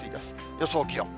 予想気温。